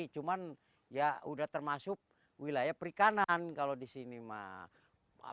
cuman ya sudah termasuk wilayah perikanan kalau di sini mah